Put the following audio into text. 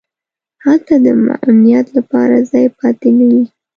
هلته د معنویت لپاره ځای پاتې نه وي.